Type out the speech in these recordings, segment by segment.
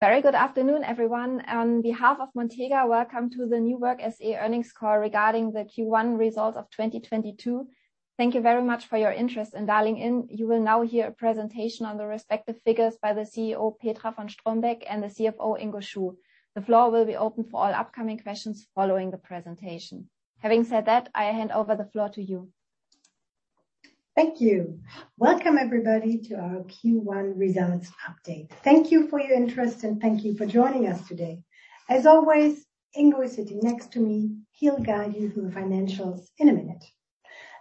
Very good afternoon, everyone. On behalf of Montega, Welcome to the New Work SE Earnings Call regarding the Q1 results of 2022. Thank you very much for your interest in dialing in. You will now hear a presentation on the respective figures by the CEO, Petra von Strombeck, and the CFO, Ingo Chu. The floor will be open for all upcoming questions following the presentation. Having said that, I hand over the floor to you. Thank you. Welcome everybody to our Q1 results update. Thank you for your interest, and thank you for joining us today. As always, Ingo is sitting next to me. He'll guide you through the financials in a minute.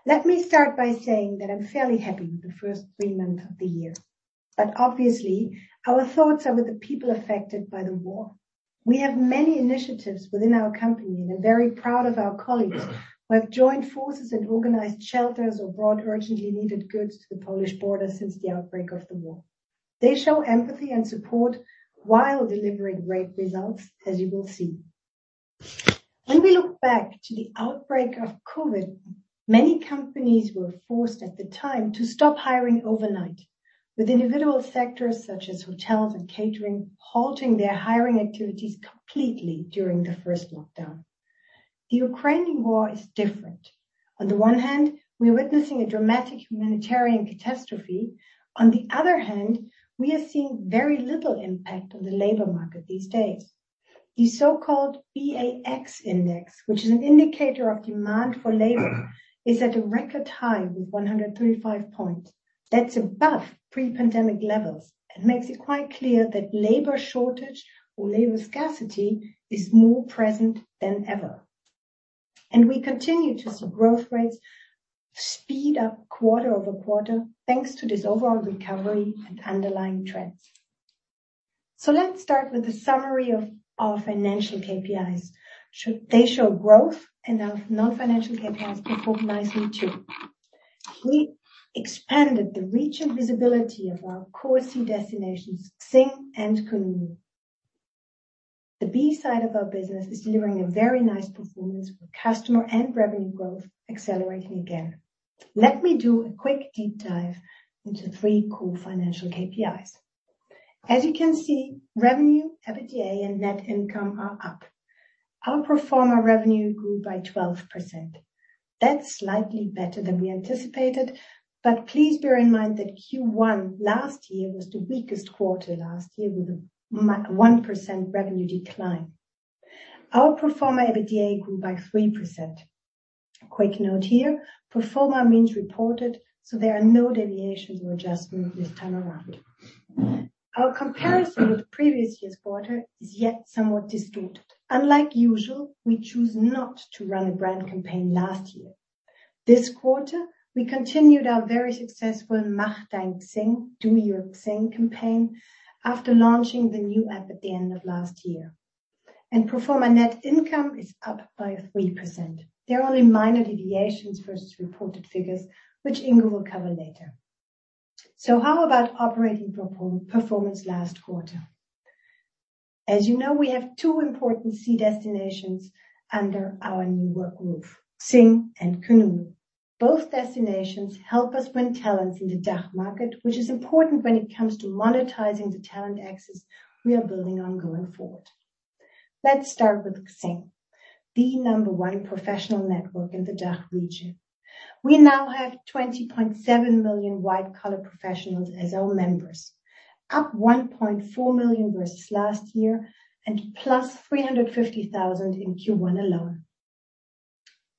Let me start by saying that I'm fairly happy with the first three months of the year, but obviously our thoughts are with the people affected by the war. We have many initiatives within our company, and I'm very proud of our colleagues who have joined forces and organized shelters or brought urgently needed goods to the Polish border since the outbreak of the war. They show empathy and support while delivering great results, as you will see. When we look back to the outbreak of COVID, many companies were forced at the time to stop hiring overnight, with individual sectors such as hotels and catering halting their hiring activities completely during the first lockdown. The Ukrainian war is different. On the one hand, we're witnessing a dramatic humanitarian catastrophe. On the other hand, we are seeing very little impact on the labor market these days. The so-called BA-X index, which is an indicator of demand for labor, is at a record high with 135 points. That's above pre-pandemic levels and makes it quite clear that labor shortage or labor scarcity is more present than ever. We continue to see growth rates speed up quarter over quarter, thanks to this overall recovery and underlying trends. Let's start with a summary of our financial KPIs. They show growth and our non-financial KPIs perform nicely, too. We expanded the reach and visibility of our core SE destinations, XING and kununu. The B2B side of our business is delivering a very nice performance with customer and revenue growth accelerating again. Let me do a quick deep dive into three core financial KPIs. As you can see, revenue, EBITDA, and net income are up. Our pro forma revenue grew by 12%. That's slightly better than we anticipated, but please bear in mind that Q1 last year was the weakest quarter last year with a 1% revenue decline. Our pro forma EBITDA grew by 3%. Quick note here, pro forma means reported, so there are no deviations or adjustments this time around. Our comparison with previous year's quarter is yet somewhat distorted. Unlike usual, we choose not to run a brand campaign last year. This quarter, we continued our very successful Mach Dein XING, Do Your XING campaign after launching the new app at the end of last year. Pro forma net income is up by 3%. There are only minor deviations versus reported figures, which Ingo will cover later. How about operating performance last quarter? As you know, we have two important C-suite destinations under our New Work roof, XING and kununu. Both destinations help us win talents in the DACH market, which is important when it comes to monetizing the talent access we are building on going forward. Let's start with XING, the number one professional network in the DACH region. We now have 20.7 million white-collar professionals as our members, up 1.4 million versus last year and plus 350,000 in Q1 alone.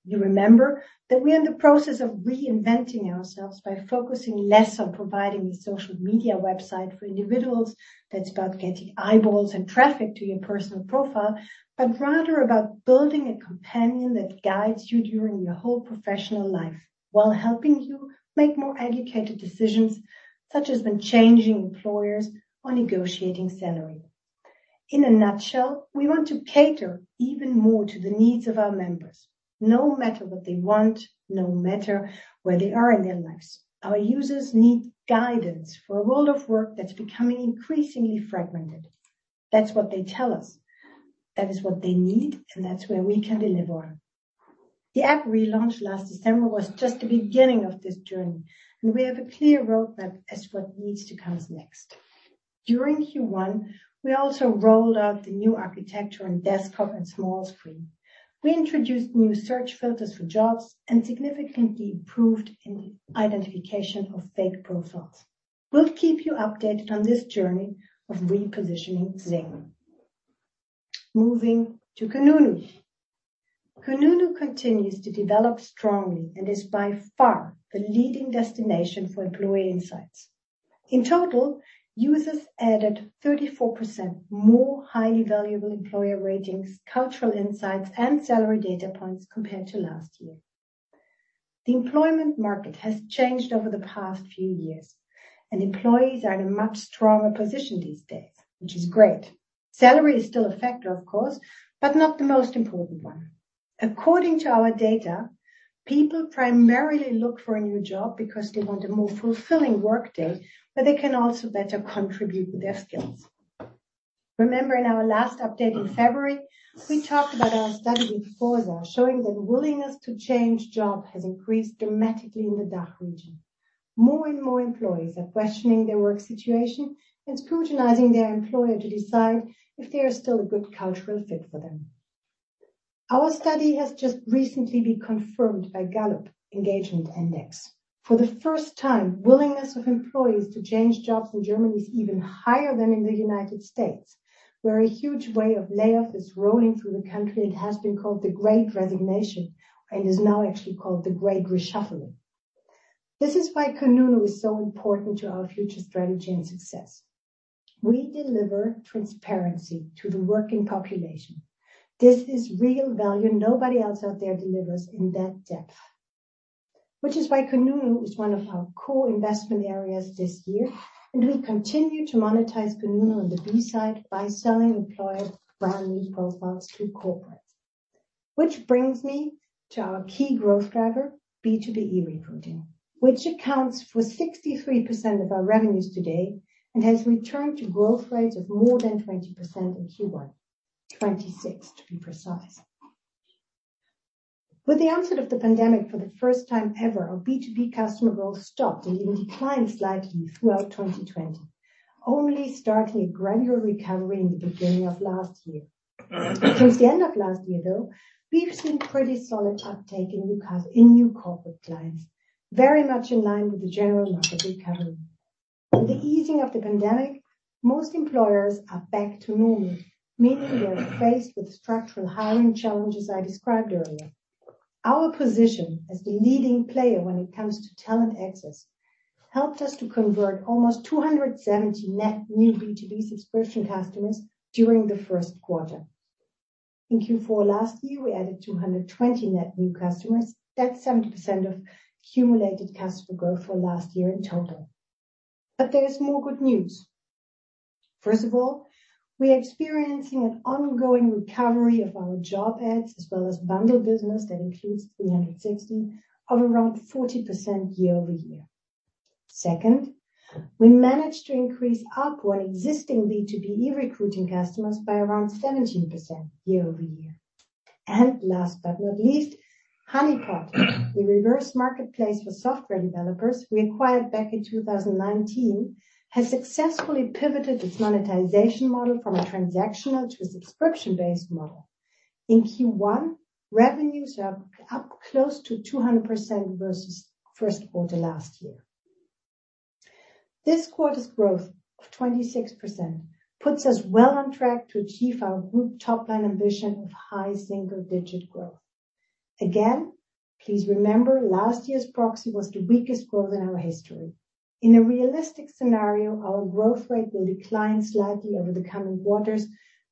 You remember that we are in the process of reinventing ourselves by focusing less on providing a social media website for individuals that's about getting eyeballs and traffic to your personal profile, but rather about building a companion that guides you during your whole professional life while helping you make more educated decisions, such as when changing employers or negotiating salary. In a nutshell, we want to cater even more to the needs of our members, no matter what they want, no matter where they are in their lives. Our users need guidance for a world of work that's becoming increasingly fragmented. That's what they tell us. That is what they need, and that's where we can deliver. The app relaunch last December was just the beginning of this journey, and we have a clear roadmap as to what needs to come next. During Q1, we also rolled out the new architecture on desktop and small screen. We introduced new search filters for jobs and significantly improved in identification of fake profiles. We'll keep you updated on this journey of repositioning XING. Moving to kununu. Kununu continues to develop strongly and is by far the leading destination for employee insights. In total, users added 34% more highly valuable employer ratings, cultural insights, and salary data points compared to last year. The employment market has changed over the past few years, and employees are in a much stronger position these days, which is great. Salary is still a factor, of course, but not the most important one. According to our data, people primarily look for a new job because they want a more fulfilling workday, where they can also better contribute with their skills. Remember in our last update in February, we talked about our study with Fórsa, showing that willingness to change job has increased dramatically in the DACH region. More and more employees are questioning their work situation and scrutinizing their employer to decide if they are still a good cultural fit for them. Our study has just recently been confirmed by Gallup Engagement Index. For the first time, willingness of employees to change jobs in Germany is even higher than in the United States, where a huge wave of layoffs is rolling through the country and has been called the Great Resignation, and is now actually called the Great Reshuffling. This is why kununu is so important to our future strategy and success. We deliver transparency to the working population. This is real value nobody else out there delivers in that depth. Which is why kununu is one of our core investment areas this year, and we continue to monetize kununu on the B2B side by selling Employer Branding Profiles to corporates. Which brings me to our key growth driver, B2B e-recruiting, which accounts for 63% of our revenues today and has returned to growth rates of more than 20% in Q1. 26%, to be precise. With the onset of the pandemic, for the first time ever, our B2B customer growth stopped and even declined slightly throughout 2020. Only starting a gradual recovery in the beginning of last year. Towards the end of last year, though, we've seen pretty solid uptake in new corporate clients, very much in line with the general market recovery. With the easing of the pandemic, most employers are back to normal, meaning they are faced with structural hiring challenges I described earlier. Our position as the leading player when it comes to talent access helped us to convert almost 270 net new B2B subscription customers during the first quarter. In Q4 last year, we added 220 net new customers. That's 70% of cumulative customer growth for last year in total. There is more good news. First of all, we are experiencing an ongoing recovery of our job ads as well as bundle business that includes 360° of around 40% year-over-year. Second, we managed to increase ARPU on existing B2B e-recruiting customers by around 17% year-over-year. Last but not least, Honeypot, the reverse marketplace for software developers we acquired back in 2019, has successfully pivoted its monetization model from a transactional to a subscription-based model. In Q1, revenues are up close to 200% versus first quarter last year. This quarter's growth of 26% puts us well on track to achieve our group top line ambition of high single-digit growth. Again, please remember, last year's proxy was the weakest growth in our history. In a realistic scenario, our growth rate will decline slightly over the coming quarters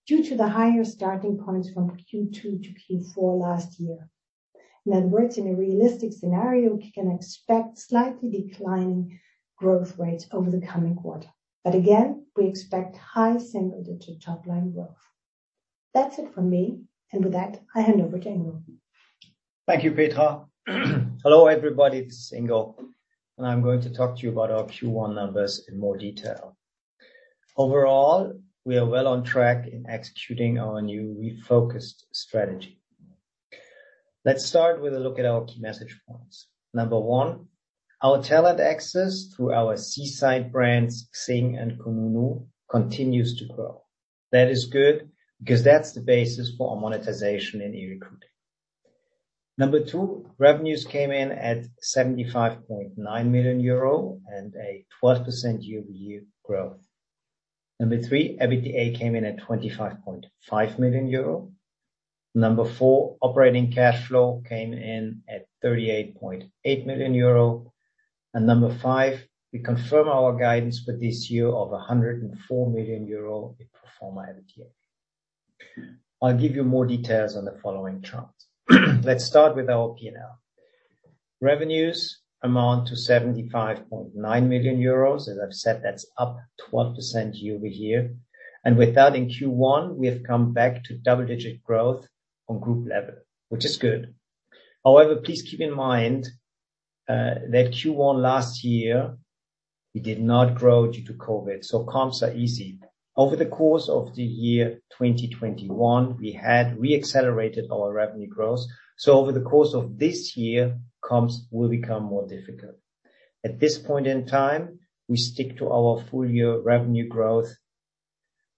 due to the higher starting points from Q2 to Q4 last year. In other words, in a realistic scenario, we can expect slightly declining growth rates over the coming quarter. But again, we expect high single-digit top line growth. That's it from me. With that, I hand over to Ingo. Thank you, Petra. Hello, everybody. This is Ingo, and I'm going to talk to you about our Q1 numbers in more detail. Overall, we are well on track in executing our new refocused strategy. Let's start with a look at our key message points. Number one, our talent access through our client-side brands, XING and kununu, continues to grow. That is good because that's the basis for our monetization in e-recruiting. Number two, revenues came in at 75.9 million euro and a 12% year-over-year growth. Number three, EBITDA came in at 25.5 million euro. Number four, operating cash flow came in at 38.8 million euro. Number five, we confirm our guidance for this year of 104 million euro in pro forma EBITDA. I'll give you more details on the following charts. Let's start with our P&L. Revenues amount to 75.9 million euros. As I've said, that's up 12% year-over-year. With that, in Q1, we have come back to double-digit growth on group level, which is good. However, please keep in mind that Q1 last year, we did not grow due to COVID, so comps are easy. Over the course of the year 2021, we had re-accelerated our revenue growth, so over the course of this year, comps will become more difficult. At this point in time, we stick to our full year revenue growth,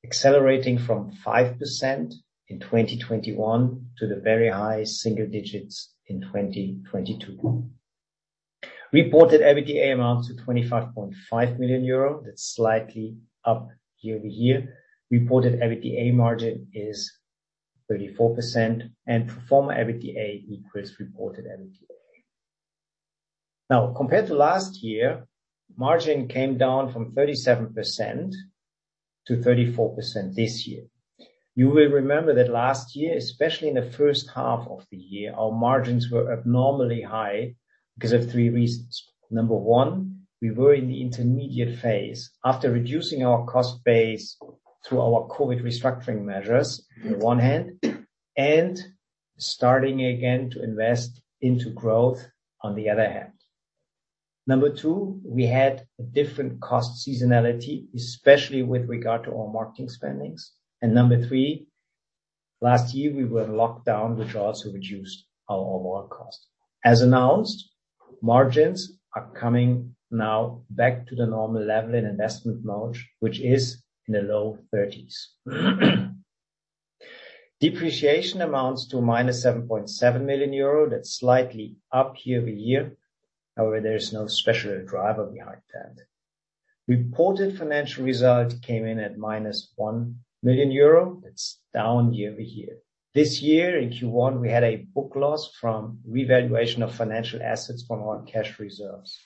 accelerating from 5% in 2021 to the very high single digits in 2022. Reported EBITDA amounts to 25.5 million euro. That's slightly up year-over-year. Reported EBITDA margin is 34%, and pro forma EBITDA equals reported EBITDA. Now, compared to last year, margin came down from 37% to 34% this year. You will remember that last year, especially in the first half of the year, our margins were abnormally high because of three reasons. Number one, we were in the intermediate phase after reducing our cost base through our COVID restructuring measures on the one hand and starting again to invest into growth on the other hand. Number two, we had a different cost seasonality, especially with regard to our marketing spending. Number three, last year, we were in lockdown, which also reduced our overall cost. As announced, margins are coming now back to the normal level in investment margin, which is in the low 30s. Depreciation amounts to -7.7 million euro. That's slightly up year-over-year. However, there is no special driver behind that. Reported financial result came in at -1 million euro. That's down year-over-year. This year in Q1, we had a book loss from revaluation of financial assets from our cash reserves.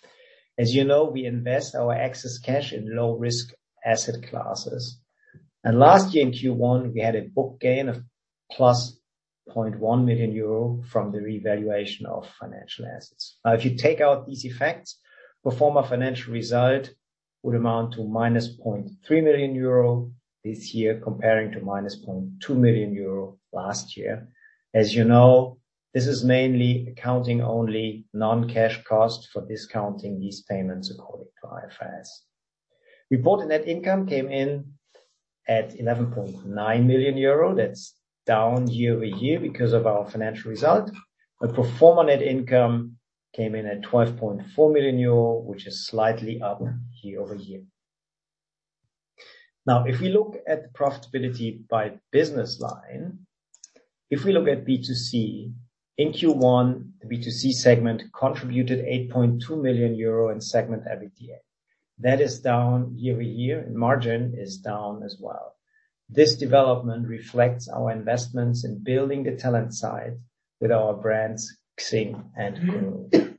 As you know, we invest our excess cash in low risk asset classes. Last year in Q1, we had a book gain of +0.1 million euro from the revaluation of financial assets. Now, if you take out these effects, pro forma financial result would amount to -0.3 million euro this year comparing to -0.2 million euro last year. As you know, this is mainly accounting only non-cash cost for discounting these payments according to IFRS. Reported net income came in at 11.9 million euro. That's down year-over-year because of our financial result. Pro forma net income came in at 12.4 million euro, which is slightly up year-over-year. Now, if we look at profitability by business line, if we look at B2C, in Q1, the B2C segment contributed 8.2 million euro in segment EBITDA. That is down year-over-year and margin is down as well. This development reflects our investments in building the talent side with our brands, XING and kununu.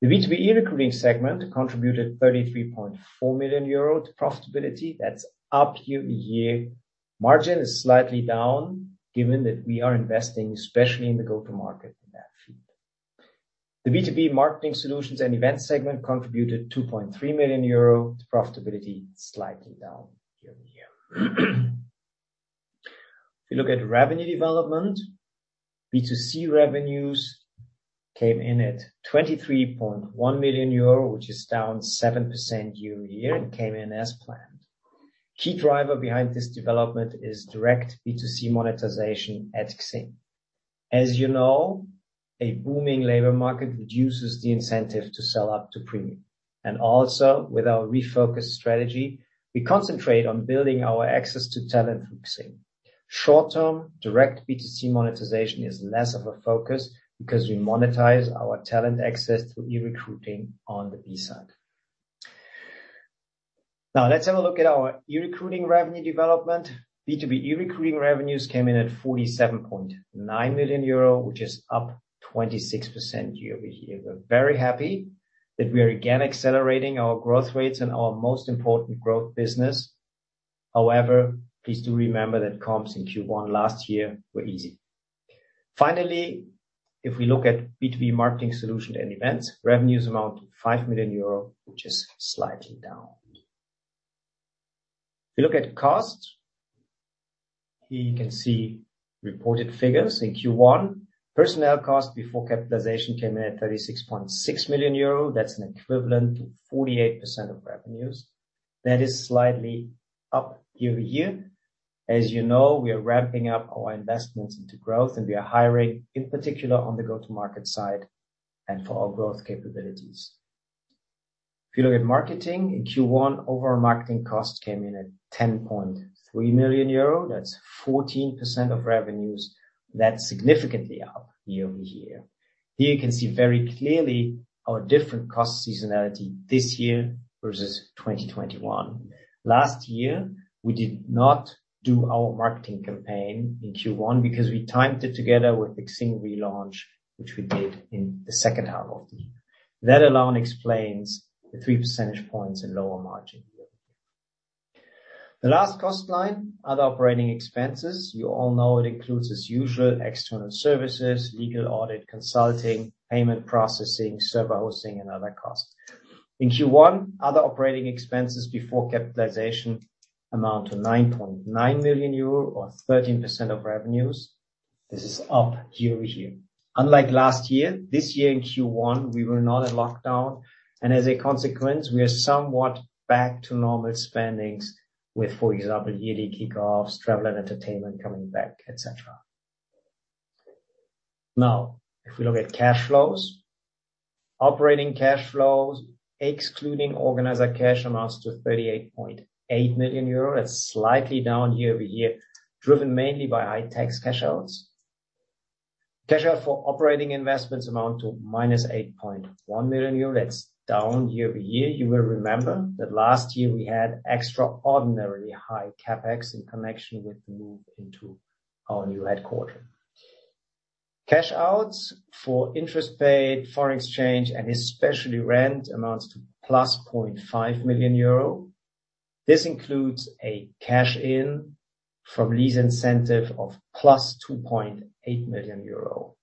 The B2B e-recruiting segment contributed 33.4 million euro to profitability. That's up year-over-year. Margin is slightly down given that we are investing, especially in the go-to-market in that field. The B2B Marketing Solutions and Events segment contributed 2.3 million euro to profitability, slightly down year-over-year. If you look at revenue development, B2C revenues came in at 23.1 million euro, which is down 7% year-over-year and came in as planned. Key driver behind this development is direct B2C monetization at XING. As you know, a booming labor market reduces the incentive to sell up to premium. Also with our refocused strategy, we concentrate on building our access to talent through XING. Short term, direct B2C monetization is less of a focus because we monetize our talent access through e-recruiting on the B side. Now let's have a look at our e-recruiting revenue development. B2B e-recruiting revenues came in at 47.9 million euro, which is up 26% year-over-year. We're very happy that we are again accelerating our growth rates in our most important growth business. However, please do remember that comps in Q1 last year were easy. Finally, if we look at B2B Marketing Solutions and Events, revenues amount to 5 million euro, which is slightly down. If you look at cost, here you can see reported figures in Q1. Personnel cost before capitalization came in at 36.6 million euro. That's an equivalent to 48% of revenues. That is slightly up year-over-year. As you know, we are ramping up our investments into growth, and we are hiring, in particular on the go-to-market side and for our growth capabilities. If you look at marketing, in Q1, overall marketing costs came in at 10.3 million euro. That's 14% of revenues. That's significantly up year-over-year. Here you can see very clearly our different cost seasonality this year versus 2021. Last year, we did not do our marketing campaign in Q1 because we timed it together with the XING relaunch, which we did in the second half of the year. That alone explains the 3 percentage points in lower margin year-over-year. The last cost line, other operating expenses. You all know it includes as usual external services, legal audit, consulting, payment processing, server hosting, and other costs. In Q1, other operating expenses before capitalization amount to 9.9 million euro or 13% of revenues. This is up year-over-year. Unlike last year, this year in Q1, we were not in lockdown, and as a consequence, we are somewhat back to normal spending with, for example, yearly kickoffs, travel and entertainment coming back, et cetera. Now, if we look at cash flows. Operating cash flows, excluding organizer cash amounts to 38.8 million euro. That's slightly down year-over-year, driven mainly by high tax cash outs. Cash out for operating investments amount to -8.1 million euros. That's down year-over-year. You will remember that last year we had extraordinarily high CapEx in connection with the move into our new headquarters. Cash outs for interest paid, foreign exchange, and especially rent amounts to +0.5 million euro. This includes a cash in from lease incentive of +2.8 million euro.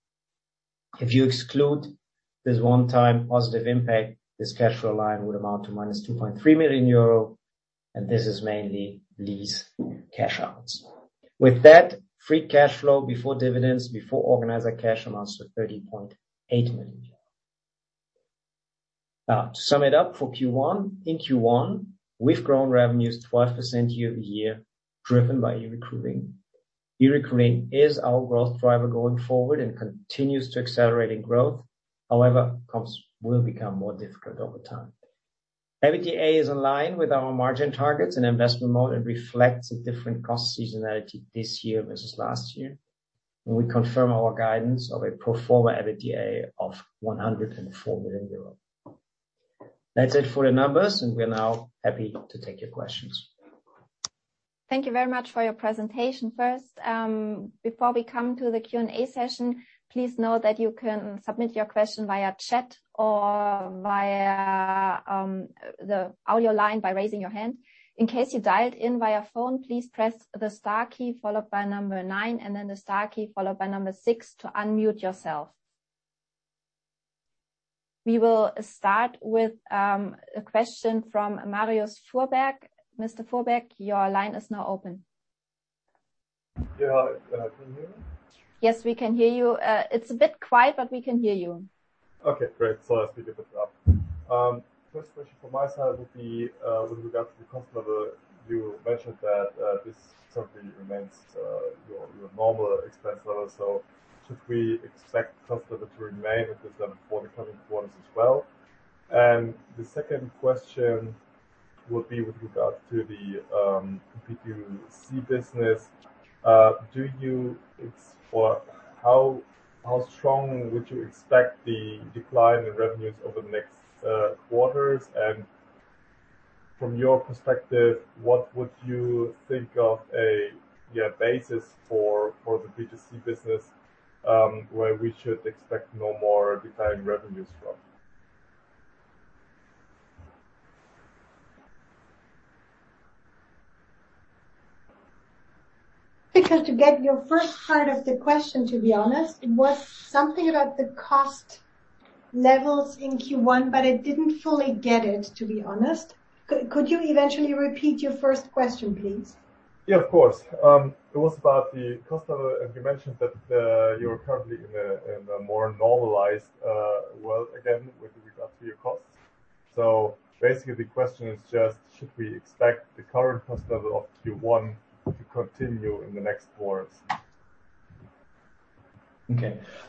If you exclude this one-time positive impact, this cash flow line would amount to -2.3 million euro, and this is mainly lease cash outs. With that, free cash flow before dividends, before organizer cash amounts to 30.8 million. To sum it up for Q1. In Q1, we've grown revenues 12% year-over-year, driven by e-recruiting. E-recruiting is our growth driver going forward and continues to accelerate in growth. However, comps will become more difficult over time. EBITDA is in line with our margin targets and investment model, and reflects the different cost seasonality this year versus last year. We confirm our guidance of a pro forma EBITDA of 104 million euros. That's it for the numbers, and we are now happy to take your questions. Thank you very much for your presentation. First, before we come to the Q&A session, please know that you can submit your question via chat or via the audio line by raising your hand. In case you dialed in via phone, please press the star key followed by number nine and then the star key followed by number six to unmute yourself. We will start with a question from Marius Fuhrberg. Mr. Fuhrberg, your line is now open. Yeah. Can you hear me? Yes, we can hear you. It's a bit quiet, but we can hear you. Okay, great. Let's pick it up. First question from my side would be with regard to the cost level. You mentioned that this certainly remains your normal expense level. Should we expect cost level to remain at this level for the coming quarters as well? The second question would be with regard to the B2C business. How strong would you expect the decline in revenues over the next quarters? From your perspective, what would you think of a basis for the B2C business where we should expect no more declining revenues from? Because to get your first part of the question, to be honest, it was something about the cost levels in Q1, but I didn't fully get it, to be honest. Could you eventually repeat your first question, please? Yeah, of course. It was about the cost level, and you mentioned that you're currently in a more normalized world again with regard to your costs. Basically, the question is just should we expect the current cost level of Q1 to continue in the next quarters?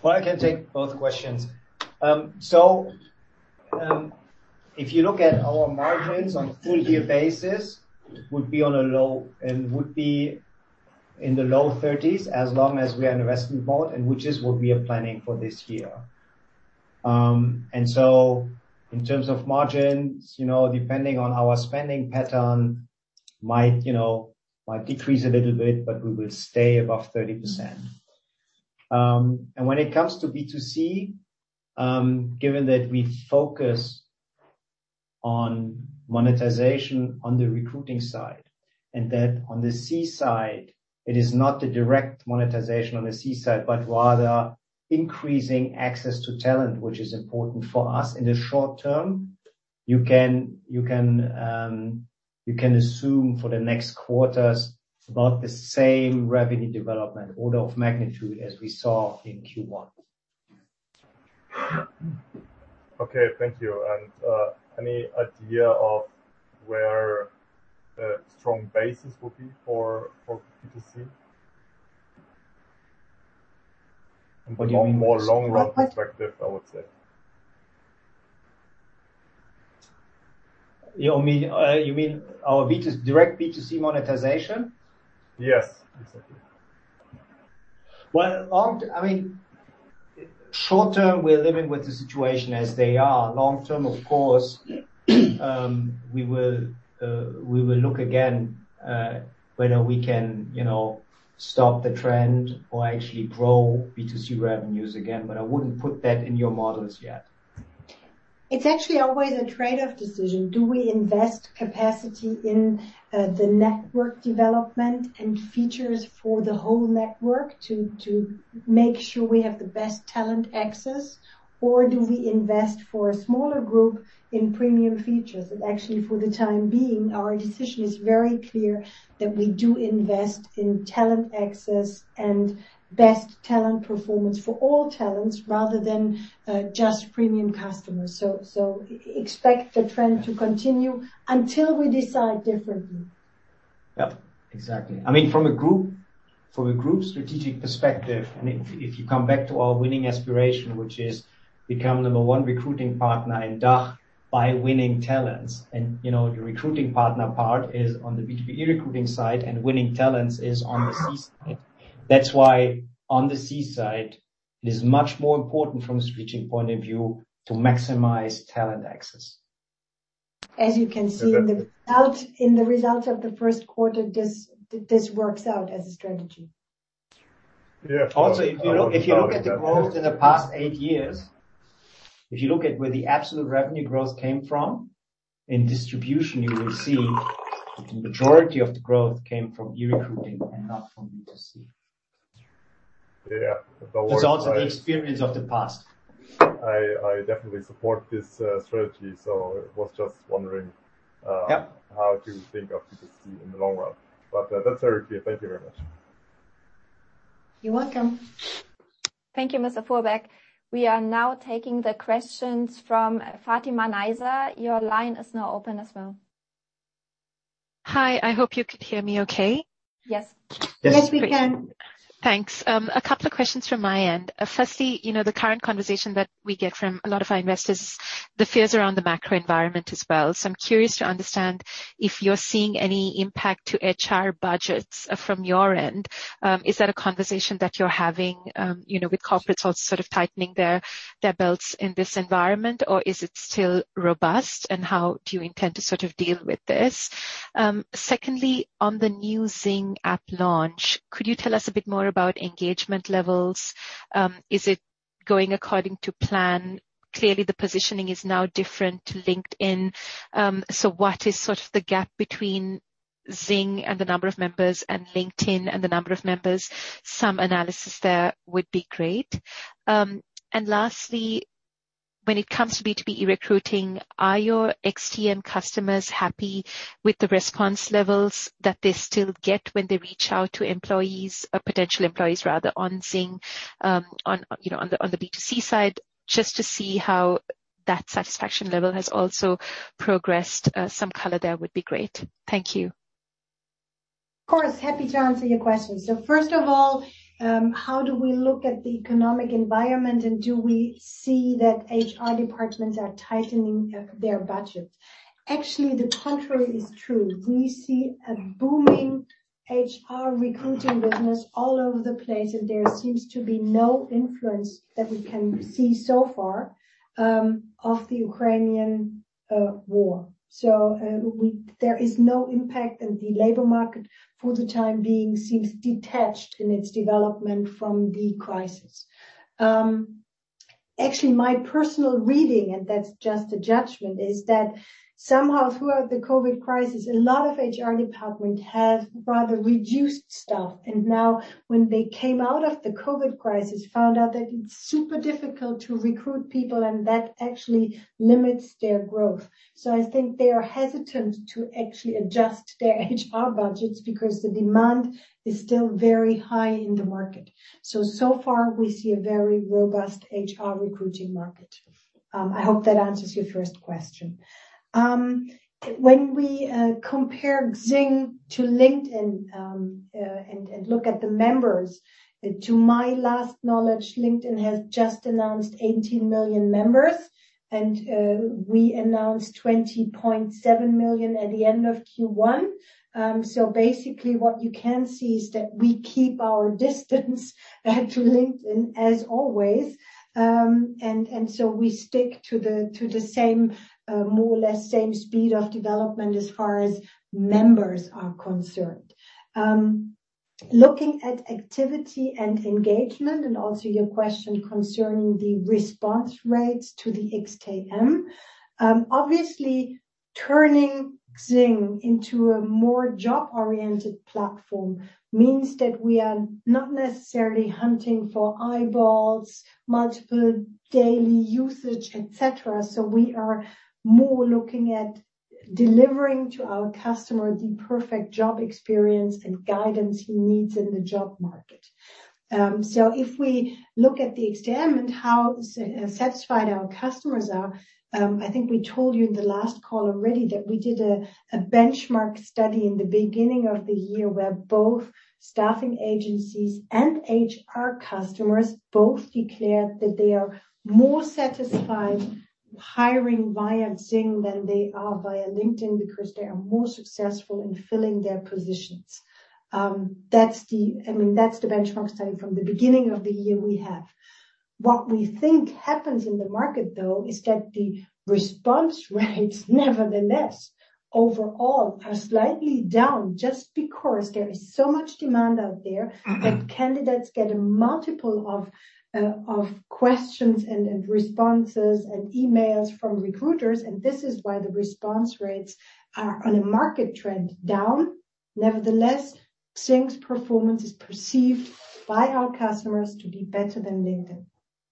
Well, I can take both questions. If you look at our margins on a full year basis, would be low and would be in the low 30s as long as we are in investment mode, which is what we are planning for this year. In terms of margins, you know, depending on our spending pattern, might decrease a little bit, but we will stay above 30%. When it comes to B2C, given that we focus on monetization on the recruiting side and that on the C side, it is not the direct monetization on the C side, but rather increasing access to talent, which is important for us in the short term. You can assume for the next quarters about the same revenue development order of magnitude as we saw in Q1. Okay, thank you. Any idea of where a strong basis would be for B2C? What do you mean? More long run perspective, I would say. You mean our direct B2C monetization? Yes. Exactly. Well, I mean, short-term, we're living with the situation as they are. Long-term, of course, we will look again whether we can, you know, stop the trend or actually grow B2C revenues again, but I wouldn't put that in your models yet. It's actually always a trade-off decision. Do we invest capacity in the network development and features for the whole network to make sure we have the best talent access? Or do we invest for a smaller group in premium features? Actually, for the time being, our decision is very clear that we do invest in talent access and best talent performance for all talents rather than just premium customers. Expect the trend to continue until we decide differently. Yeah. Exactly. I mean, from a group strategic perspective, and if you come back to our winning aspiration, which is become number one recruiting partner in DACH by winning talents, you know, your recruiting partner part is on the B2B e-recruiting side, and winning talents is on the B2C side. That's why on the B2C side, it is much more important from a strategic point of view to maximize talent access. As you can see. Exactly. In the results of the first quarter, this works out as a strategy. Yeah. If you look at the growth in the past eight years, if you look at where the absolute revenue growth came from, in distribution you will see the majority of the growth came from e-recruiting and not from B2C. Yeah. It's also the experience of the past. I definitely support this strategy. Yeah. How to think of B2C in the long run. That's very clear. Thank you very much. You're welcome. Thank you, Mr. Fuhrberg. We are now taking the questions from Fatima-Aysha Ayari. Your line is now open as well. Hi. I hope you can hear me okay. Yes. Yes, we can. Thanks. A couple of questions from my end. Firstly, you know, the current conversation that we get from a lot of our investors, the fears around the macro environment as well. I'm curious to understand if you're seeing any impact to HR budgets from your end. Is that a conversation that you're having, you know, with corporates also sort of tightening their belts in this environment? Or is it still robust? And how do you intend to sort of deal with this? Secondly, on the new XING app launch, could you tell us a bit more about engagement levels? Is it going according to plan? Clearly the positioning is now different to LinkedIn. What is sort of the gap between XING and the number of members and LinkedIn and the number of members? Some analysis there would be great. Lastly, when it comes to B2B e-recruiting, are your XTM customers happy with the response levels that they still get when they reach out to employees or potential employees, rather, on XING? You know, on the B2C side, just to see how that satisfaction level has also progressed. Some color there would be great. Thank you. Of course. Happy to answer your questions. First of all, how do we look at the economic environment, and do we see that HR departments are tightening their budget? Actually, the contrary is true. We see a booming HR recruiting business all over the place, and there seems to be no influence that we can see so far of the Ukrainian war. There is no impact, and the labor market for the time being seems detached in its development from the crisis. Actually, my personal reading, and that's just a judgment, is that somehow throughout the COVID crisis, a lot of HR department have rather reduced staff, and now when they came out of the COVID crisis, found out that it's super difficult to recruit people, and that actually limits their growth. I think they are hesitant to actually adjust their HR budgets because the demand is still very high in the market. So far we see a very robust HR recruiting market. I hope that answers your first question. When we compare XING to LinkedIn and look at the members, to my last knowledge, LinkedIn has just announced 18 million members, and we announced 20.7 million at the end of Q1. Basically what you can see is that we keep our distance to LinkedIn as always. We stick to the same, more or less, speed of development as far as members are concerned. Looking at activity and engagement and also your question concerning the response rates to the XTM. Obviously turning XING into a more job-oriented platform means that we are not necessarily hunting for eyeballs, multiple daily usage, et cetera. We are more looking at delivering to our customer the perfect job experience and guidance he needs in the job market. If we look at the XTM and how satisfied our customers are, I think we told you in the last call already that we did a benchmark study in the beginning of the year where both staffing agencies and HR customers both declared that they are more satisfied hiring via XING than they are via LinkedIn because they are more successful in filling their positions. That's the, I mean, that's the benchmark study from the beginning of the year we have. What we think happens in the market though is that the response rates, nevertheless, overall are slightly down just because there is so much demand out there. Mm-hmm. That candidates get a multitude of questions and responses and emails from recruiters, and this is why the response rates are on a market trend down. Nevertheless, XING's performance is perceived by our customers to be better than LinkedIn.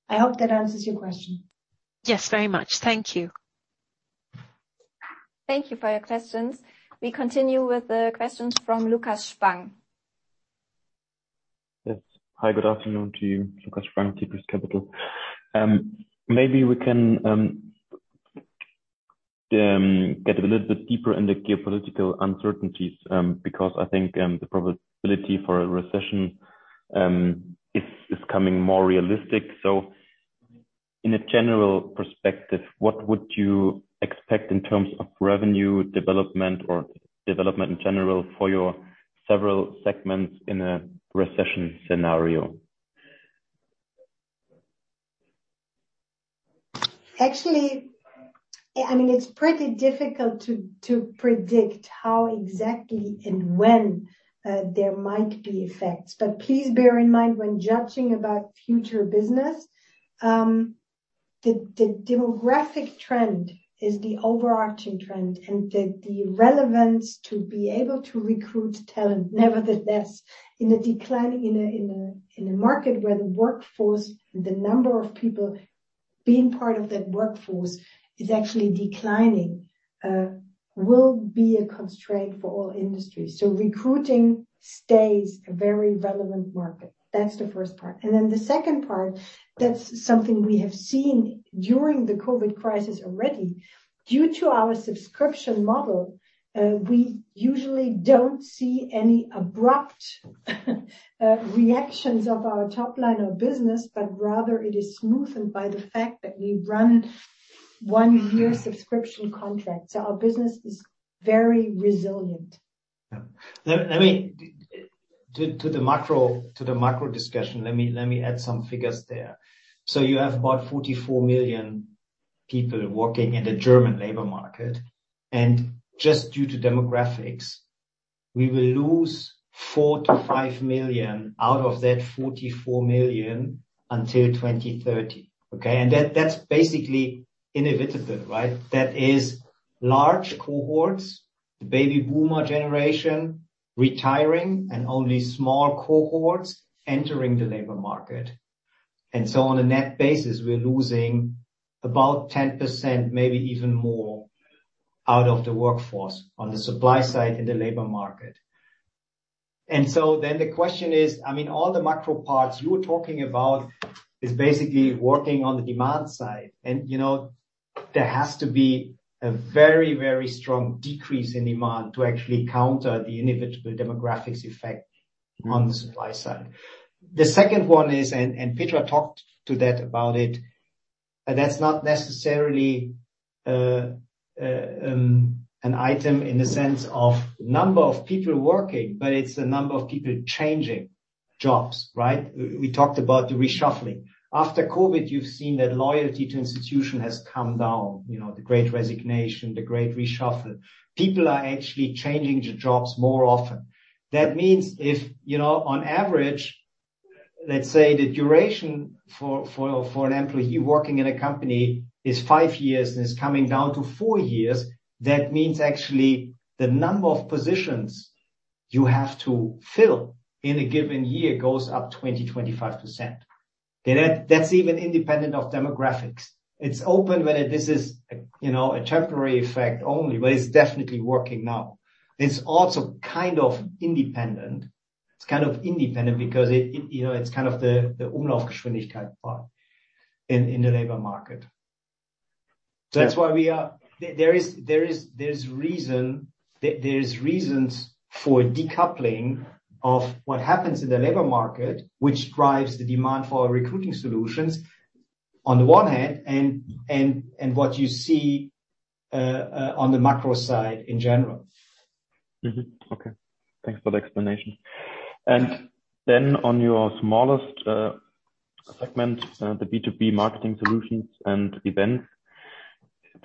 I hope that answers your question. Yes, very much. Thank you. Thank you for your questions. We continue with the questions from Lukas Spang. Yes. Hi. Good afternoon to you. Lukas Spang, Tigris Capital GmbH. Maybe we can get a little bit deeper in the geopolitical uncertainties, because I think the probability for a recession is coming more realistic. In a general perspective, what would you expect in terms of revenue development or development in general for your several segments in a recession scenario? Actually, I mean it's pretty difficult to predict how exactly and when there might be effects. Please bear in mind when judging about future business, the demographic trend is the overarching trend and the relevance to be able to recruit talent nevertheless in a declining market where the workforce and the number of people being part of that workforce is actually declining will be a constraint for all industries. Recruiting stays a very relevant market. That's the first part. Then the second part, that's something we have seen during the COVID crisis already. Due to our subscription model, we usually don't see any abrupt reactions of our top line of business, but rather it is smoothened by the fact that we run one-year subscription contracts. Our business is very resilient. Yeah. To the macro discussion, let me add some figures there. You have about 44 million people working in the German labor market, and just due to demographics, we will lose 4 million-5 million out of that 44 million until 2030, okay? That's basically inevitable, right? That is large cohorts, the baby boomer generation retiring and only small cohorts entering the labor market. On a net basis, we're losing about 10%, maybe even more out of the workforce on the supply side in the labor market. The question is. I mean all the macro parts you're talking about is basically working on the demand side. You know, there has to be a very, very strong decrease in demand to actually counter the inevitable demographics effect on the supply side. The second one is, and Petra talked about that's not necessarily an item in the sense of number of people working, but it's the number of people changing jobs, right? We talked about the reshuffling. After COVID, you've seen that loyalty to institution has come down. You know, the Great Resignation, the Great Reshuffling. People are actually changing the jobs more often. That means if, you know, on average, let's say the duration for an employee working in a company is five years and is coming down to four years, that means actually the number of positions you have to fill in a given year goes up 25%. Okay? That's even independent of demographics. It's open whether this is a, you know, a temporary effect only, but it's definitely working now. It's also kind of independent. It's kind of independent because it, you know, it's kind of the Umlaufgeschwindigkeit part in the labor market. That's why there are reasons for decoupling of what happens in the labor market, which drives the demand for our recruiting solutions on the one hand, and what you see on the macro side in general. Okay. Thanks for the explanation. On your smallest segment, the B2B Marketing Solutions and Events,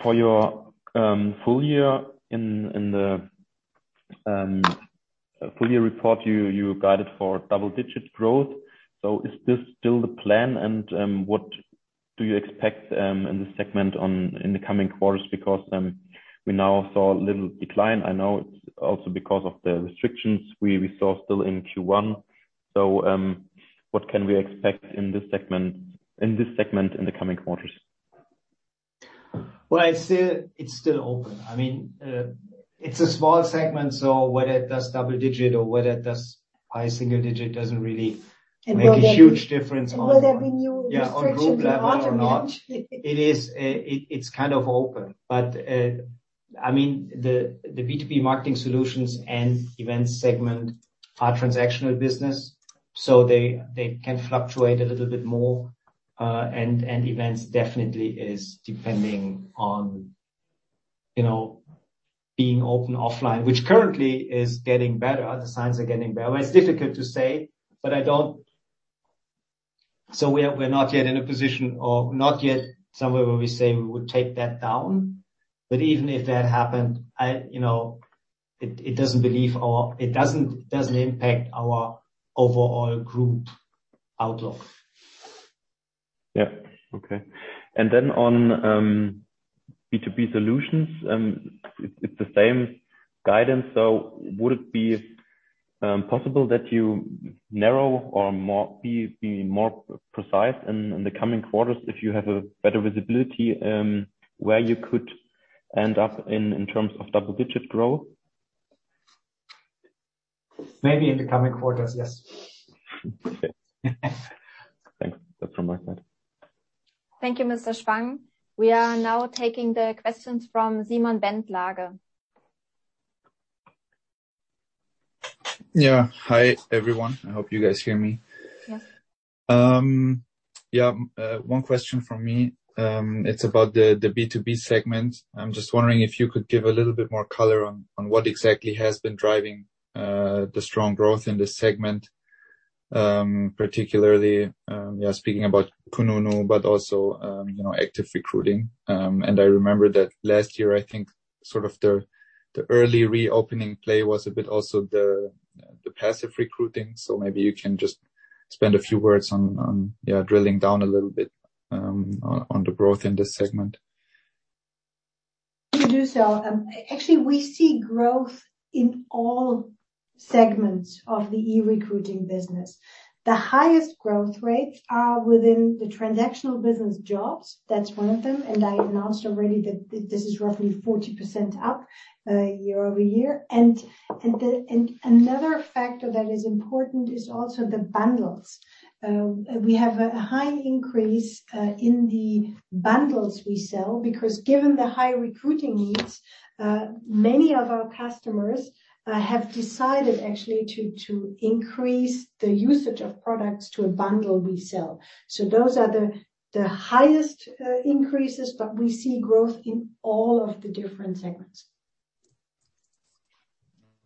for your full year in the full year report, you guided for double-digit growth. Is this still the plan? What do you expect in this segment in the coming quarters? Because we now saw a little decline. I know it's also because of the restrictions we saw still in Q1. What can we expect in this segment in the coming quarters? Well, it's still open. I mean, it's a small segment, so whether it does double digit or whether it does high single digit doesn't really make a huge difference on- Will there be new restrictions in autumn? Yeah, on group level or not. It is, it's kind of open, but I mean the B2B Marketing Solutions and Events segment are transactional business, so they can fluctuate a little bit more. Events definitely is depending on, you know, being open offline, which currently is getting better. The signs are getting better. It's difficult to say. We are not yet in a position or not yet somewhere where we say we would take that down. Even if that happened, you know, it doesn't impact our overall group outlook. On B2B solutions, it's the same guidance. Would it be possible that you narrow it more, be more precise in the coming quarters if you have a better visibility, where you could end up in terms of double-digit growth? Maybe in the coming quarters, yes. Okay. Thanks. That's from my side. Thank you, Mr. Spang. We are now taking the questions from Simon Bentlage. Yeah. Hi everyone. I hope you guys hear me. Yes. Yeah. One question from me. It's about the B2B segment. I'm just wondering if you could give a little bit more color on what exactly has been driving the strong growth in this segment, particularly, yeah, speaking about kununu, but also, you know, active recruiting. I remember that last year, I think sort of the early reopening play was a bit also the passive recruiting. Maybe you can just spare a few words on, yeah, drilling down a little bit on the growth in this segment. To do so, actually we see growth in all segments of the e-recruiting business. The highest growth rates are within the transactional business jobs. That's one of them, and I announced already that this is roughly 40% up, year-over-year. Another factor that is important is also the bundles. We have a high increase in the bundles we sell, because given the high recruiting needs, many of our customers have decided actually to increase the usage of products to a bundle we sell. Those are the highest increases, but we see growth in all of the different segments.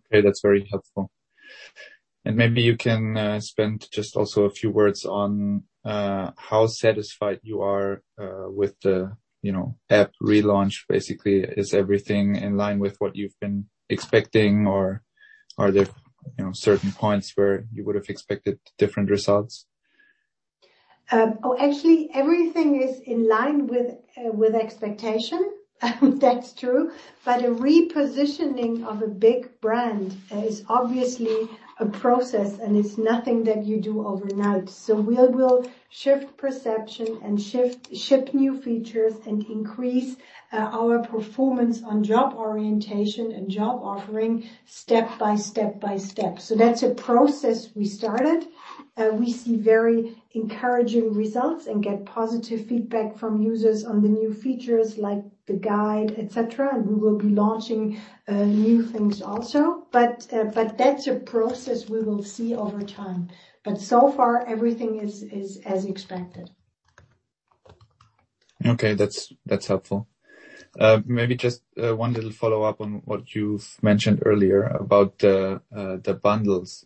Okay, that's very helpful. Maybe you can spend just also a few words on how satisfied you are with the you know app relaunch. Basically, is everything in line with what you've been expecting, or are there you know certain points where you would've expected different results? Actually, everything is in line with expectation. That's true. A repositioning of a big brand is obviously a process, and it's nothing that you do overnight. We will shift perception and ship new features, and increase our performance on job orientation and job offering step by step. That's a process we started. We see very encouraging results and get positive feedback from users on the new features like the guide, et cetera, and we will be launching new things also. That's a process we will see over time. So far, everything is as expected. Okay, that's helpful. Maybe just one little follow-up on what you've mentioned earlier about the bundles.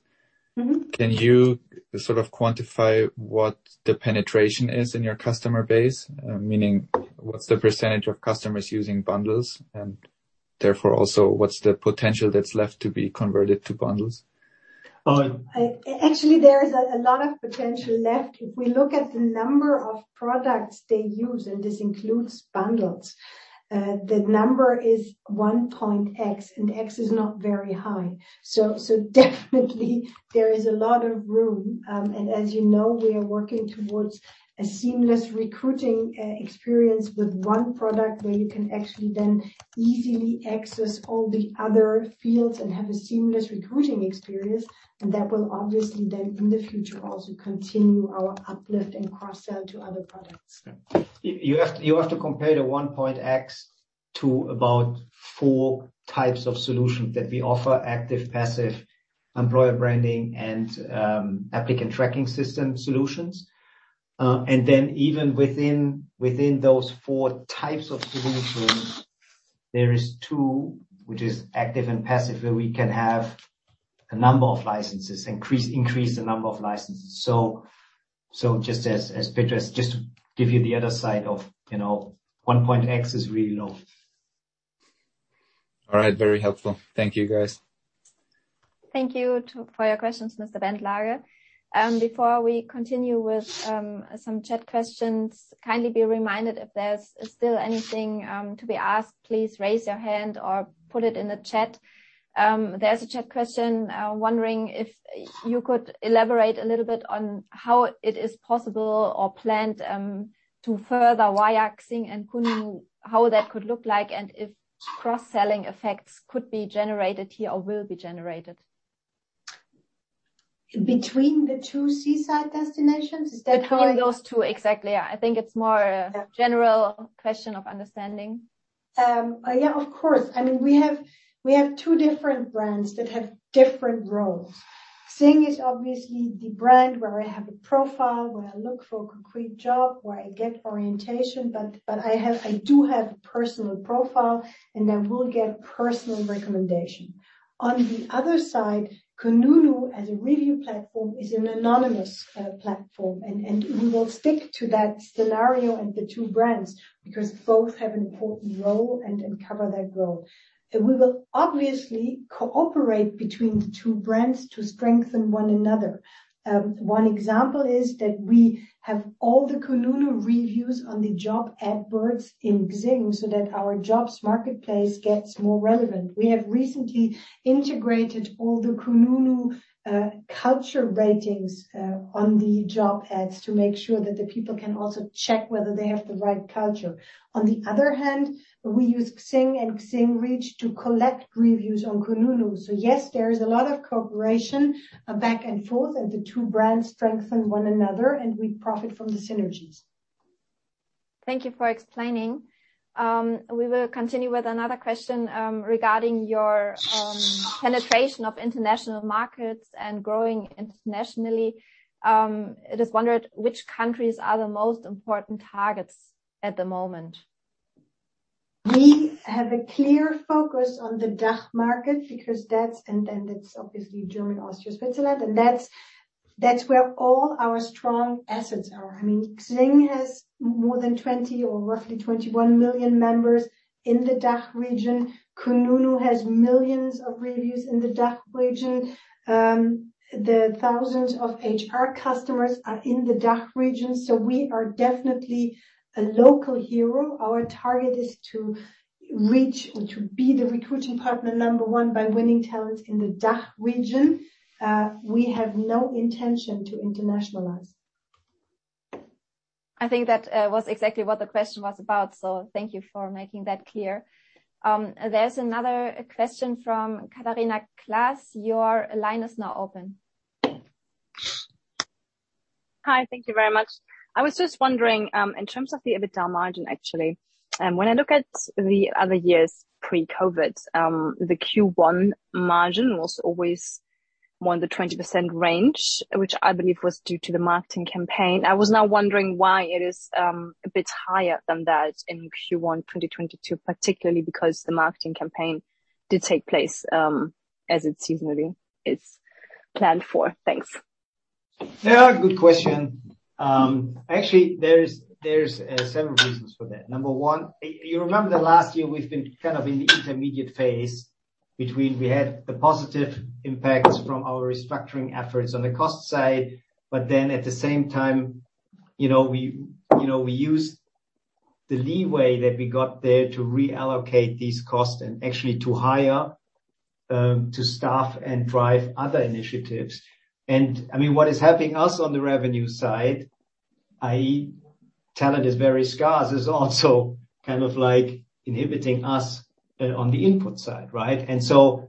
Mm-hmm. Can you sort of quantify what the penetration is in your customer base? Meaning what's the percentage of customers using bundles? Therefore, also, what's the potential that's left to be converted to bundles? Uh- Actually, there is a lot of potential left. If we look at the number of products they use, and this includes bundles, the number is 1.X, and X is not very high. Definitely there is a lot of room. As you know, we are working towards a seamless recruiting experience with one product where you can actually then easily access all the other fields and have a seamless recruiting experience. That will obviously then, in the future, also continue our uplift and cross-sell to other products. You have to compare the XING to about four types of solutions that we offer active, passive, employer branding, and applicant tracking system solutions. Then even within those four types of solutions, there is two, which is active and passive, where we can have a number of licenses, increase the number of licenses. Just as Petra just to give you the other side of, you know, XING is really low. All right. Very helpful. Thank you, guys. Thank you for your questions, Mr. Bentlage. Before we continue with some chat questions, kindly be reminded if there's still anything to be asked, please raise your hand or put it in the chat. There's a chat question wondering if you could elaborate a little bit on how it is possible or planned to further XING and kununu, how that could look like, and if cross-selling effects could be generated here or will be generated. Between the two C-suite destinations? Is that what? Between those two. Exactly, yeah. I think it's more a- Yeah. General question of understanding. Yeah, of course. I mean, we have two different brands that have different roles. XING is obviously the brand where I have a profile, where I look for a concrete job, where I get orientation. I have a personal profile, and I will get personal recommendation. On the other side, Kununu, as a review platform, is an anonymous platform. We will stick to that scenario and the two brands because both have an important role and cover that role. We will obviously cooperate between the two brands to strengthen one another. One example is that we have all the kununu reviews on the job ad boards in XING so that our jobs marketplace gets more relevant. We have recently integrated all the kununu, culture ratings, on the job ads to make sure that the people can also check whether they have the right culture. On the other hand, we use XING and XING Reach to collect reviews on kununu. Yes, there is a lot of cooperation, back and forth, and the two brands strengthen one another, and we profit from the synergies. Thank you for explaining. We will continue with another question, regarding your penetration of international markets and growing internationally. It is wondered which countries are the most important targets at the moment? We have a clear focus on the DACH market because that's obviously Germany, Austria, Switzerland. That's where all our strong assets are. I mean, XING has more than 20 million or roughly 21 million members in the DACH region. Kununu has millions of reviews in the DACH region. Thousands of HR customers are in the DACH region, so we are definitely a local hero. Our target is to be the recruiting partner number one by winning talent in the DACH region. We have no intention to internationalize. I think that was exactly what the question was about, so thank you for making that clear. There's another question from Katarina Klass. Your line is now open. Hi. Thank you very much. I was just wondering, in terms of the EBITDA margin, actually, when I look at the other years pre-COVID, the Q1 margin was always more in the 20% range, which I believe was due to the marketing campaign. I was now wondering why it is a bit higher than that in Q1 2022, particularly because the marketing campaign did take place, as it seasonally is planned for. Thanks. Yeah, good question. Actually, there's several reasons for that. Number one, you remember that last year we've been kind of in the intermediate phase between we had the positive impacts from our restructuring efforts on the cost side, but then at the same time, you know, we, you know, we used the leeway that we got there to reallocate these costs and actually to hire, to staff and drive other initiatives. I mean, what is helping us on the revenue side, i.e. talent is very scarce, is also kind of like inhibiting us on the input side, right?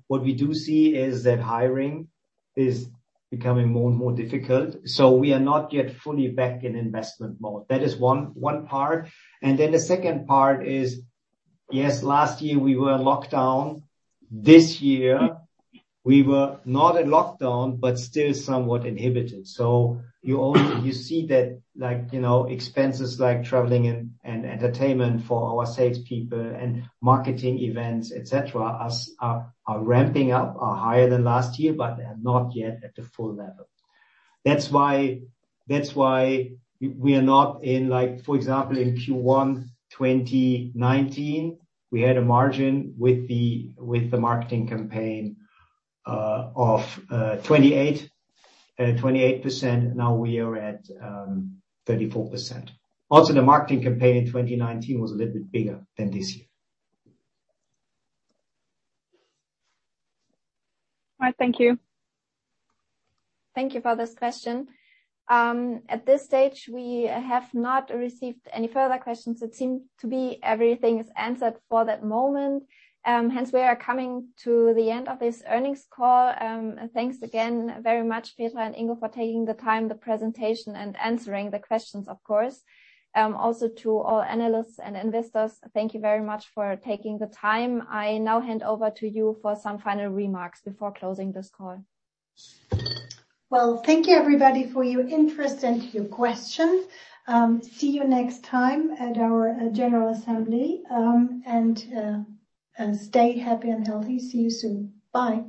What we do see is that hiring is becoming more and more difficult, so we are not yet fully back in investment mode. That is one part. Then the second part is, yes, last year we were in lockdown. This year we were not in lockdown, but still somewhat inhibited. You see that like, you know, expenses like traveling and entertainment for our salespeople and marketing events, et cetera, are ramping up, are higher than last year, but they are not yet at the full level. That's why we are not in like for example, in Q1 2019, we had a margin with the marketing campaign of 28%. Now we are at 34%. Also, the marketing campaign in 2019 was a little bit bigger than this year. All right. Thank you. Thank you for this question. At this stage we have not received any further questions. It seems to be everything is answered for that moment. Hence we are coming to the end of this earnings call. Thanks again very much, Petra and Ingo, for taking the time, the presentation, and answering the questions, of course. Also to all analysts and investors, thank you very much for taking the time. I now hand over to you for some final remarks before closing this call. Well, thank you everybody for your interest and your questions. See you next time at our general assembly. Stay happy and healthy. See you soon. Bye.